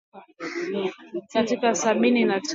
Tenganisha matuta kwa sentimita sitini hadi sabini na tano